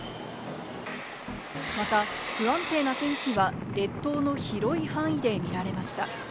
また、不安定な天気は列島の広い範囲で見られました。